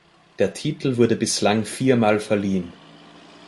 Der Titel wurde bislang viermal verliehen.